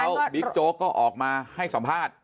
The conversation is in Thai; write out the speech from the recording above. แล้วบิ๊กโจ๊กก็ออกมาให้สัมภาษณ์